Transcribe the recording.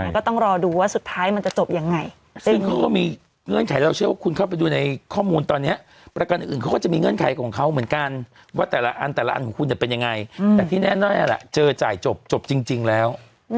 ก็ดูเข้าไปดูในข้อมูลตอนเนี้ยกันมีกับของเขาเหมือนกันว่าแต่ละอันแต่ละอันของคุณจะเป็นยังไงอืมแต่ที่แน่น้อยแหละเจอจ่ายจบจบจริงจริงแล้ว